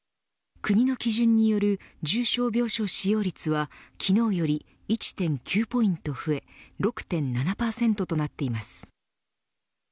国の基準による重症病床使用率は昨日より１．９ポイント増え６．７％となっています。